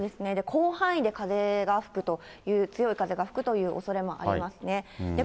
広範囲で風が吹くという、強い風が吹くというおそれもありますね。